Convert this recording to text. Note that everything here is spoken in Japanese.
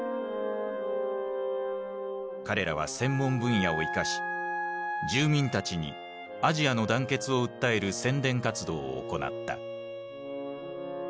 彼らは専門分野を生かし住民たちにアジアの団結を訴える宣伝活動を行った。